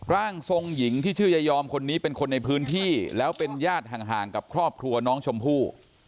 ร่างทรงหญิงที่ชื่อยายอมคนนี้เป็นคนในพื้นที่แล้วเป็นญาติห่างกับครอบครัวน้องชมพู่